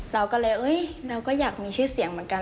เราก็เลยเราก็อยากมีชื่อเสียงเหมือนกัน